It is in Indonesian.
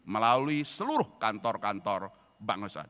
melalui seluruh kantor kantor bank usaha